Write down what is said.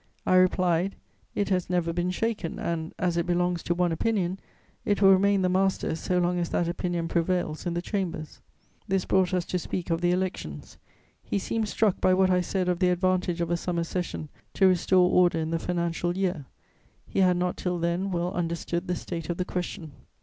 "I replied: "'It has never been shaken and, as it belongs to one opinion, it will remain the master so long as that opinion prevails in the Chambers.' "This brought us to speak of the elections: he seemed struck by what I said of the advantage of a summer session to restore order in the financial year; he had not till then well understood the state of the question.